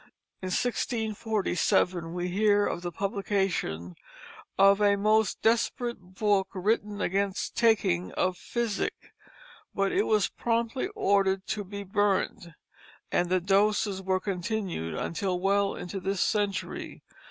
In 1647 we hear of the publication of "a Most Desperate Booke written against taking of Phissick," but it was promptly ordered to be burnt; and the doses were continued until well into this century.